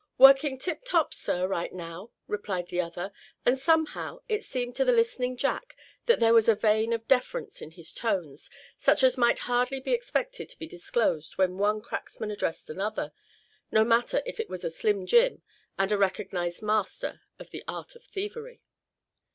"Workin' tip top, sir, right now," replied the other; and somehow it seemed to the listening Jack that there was a vein of deference in his tones such as might hardly be expected to be disclosed when one cracksman addressed another, no matter if it was a Slim Jim, and a recognized master of the art of thievery.